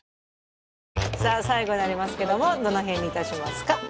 さあ最後になりますけどもどの辺にいたしますか？